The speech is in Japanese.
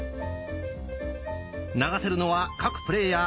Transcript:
流せるのは各プレーヤー１